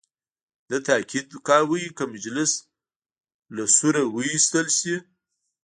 ده تاکید کاوه که مجلس له سوره وویستل شي.